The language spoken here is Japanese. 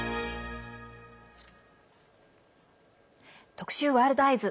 特集「ワールドＥＹＥＳ」。